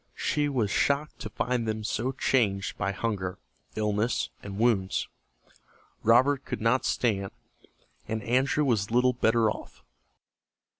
She was shocked to find them so changed by hunger, illness, and wounds. Robert could not stand, and Andrew was little better off.